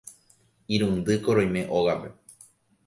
Irundýko roime ógape.